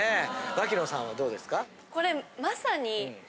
牧野さんはどうですか？